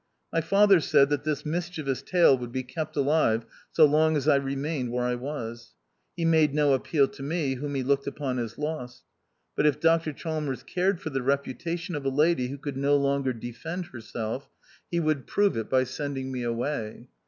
My father said that this mischievous tale would be kept alive so long as I remained where I was ; he made no appeal to me whom he looked upon as "lost," but if Dr Chalmers cared for the reputation of a lady who could no longer defend herself, he would prove it 152 THE OUTCAST. by sending me away.